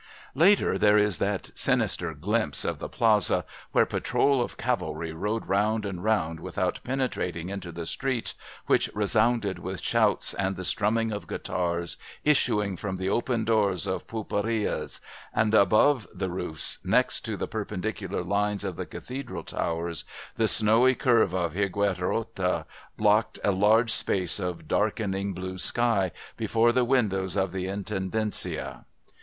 Later there is that sinister glimpse of the plaza, "where a patrol of cavalry rode round and round without penetrating into the streets which resounded with shouts and the strumming of guitars issuing from the open doors of pulperias ... and above the roofs, next to the perpendicular lines of the cathedral towers the snowy curve of Higuerota blocked a large space of darkening blue sky before the windows of the Intendencia."